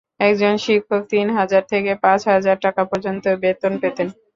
একজন শিক্ষক তিন হাজার থেকে পাঁচ হাজার টাকা পর্যন্ত বেতন পেতেন।